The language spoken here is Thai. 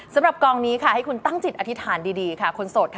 สำหรับกองนี้ค่ะให้คุณตั้งจิตอธิษฐานดีค่ะคนโสดค่ะ